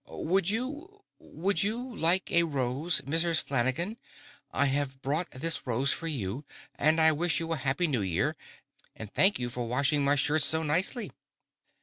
Would you—would you like a rose, Mrs. Flanagan? I have brought this rose for you. And I wish you a Happy New Year. And thank you for washing my shirts so nicely."